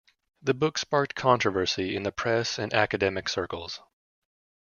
The book sparked controversy in the press and academic circles.